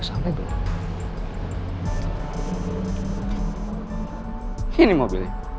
jangan hadruki ini ya sudah ke subscribu allen